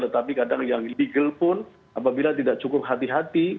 tetapi kadang yang legal pun apabila tidak cukup hati hati